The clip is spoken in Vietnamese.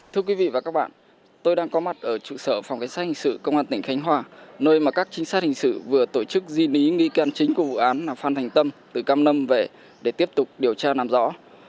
thưa quý vị và các bạn tôi đang có mặt ở trụ sở phòng cảnh sát hình sự công an tỉnh khánh hòa nơi mà các trinh sát hình sự vừa tổ chức di lý nghi can chính của vụ án là phan thành tâm từ cam lâm về để tiếp tục điều tra làm rõ